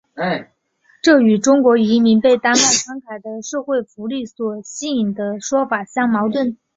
这与中国移民被丹麦慷慨的社会福利所吸引的说法相矛盾。